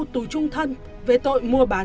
tù chung thân về tội mua bán